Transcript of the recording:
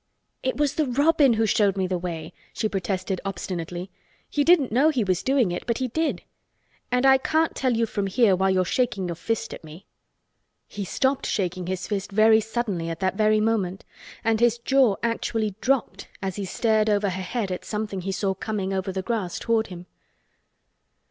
"It was the robin who showed me the way," she protested obstinately. "He didn't know he was doing it but he did. And I can't tell you from here while you're shaking your fist at me." He stopped shaking his fist very suddenly at that very moment and his jaw actually dropped as he stared over her head at something he saw coming over the grass toward him.